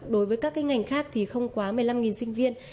đối với các ngành khác thì không quá một mươi năm sinh viên